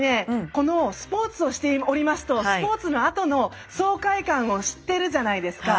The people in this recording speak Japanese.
このスポーツをしておりますとスポーツのあとの爽快感を知ってるじゃないですか。